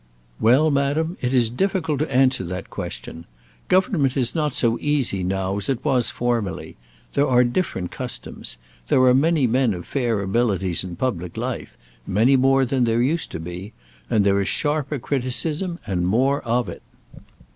"Well, madam, it is difficult to answer that question. Government is not so easy now as it was formerly. There are different customs. There are many men of fair abilities in public life; many more than there used to be; and there is sharper criticism and more of it."